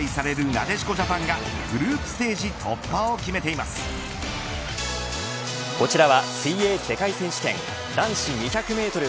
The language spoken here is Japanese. なでしこジャパンがグループステージ突破をこちらは水泳世界選手権男子２００メートル